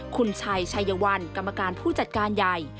คุณชัยชัยวัลกรรมการผู้จัดการใหญ่